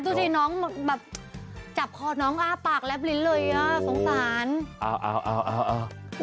ดูสิน้องแบบจับคอน้องอ้าปากแบลิ้นเลยอ่ะสงสารเอาเอาเอา